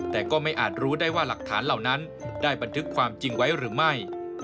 แต่ก็ไม่อาจรู้ได้ว่าหลักฐานเหล่านั้นได้บันทึกความจริงไว้หรือไม่